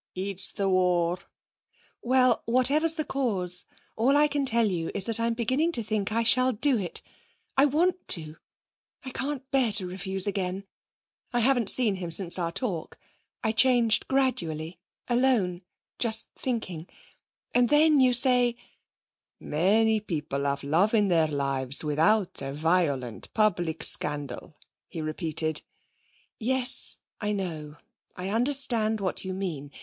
'It's the war.' 'Well, whatever's the cause, all I can tell you is that I'm beginning to think I shall do it! I want to!... I can't bear to refuse again. I haven't seen him since our talk. I changed gradually, alone, just thinking. And then you say ' 'Many people have love in their lives without a violent public scandal,' he repeated. 'Yes, I know. I understand what you mean.